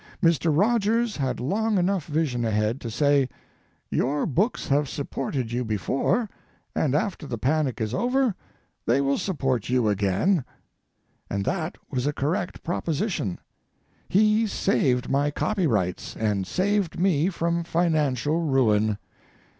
Mr. Rogers had long enough vision ahead to say, "Your books have supported you before, and after the panic is over they will support you again," and that was a correct proposition. He saved my copyrights, and saved me from financial ruin.